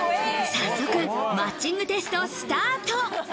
早速マッチングテスト、スタート。